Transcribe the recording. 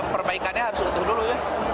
perbaikannya harus utuh dulu ya